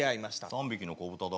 ３匹の子豚だ。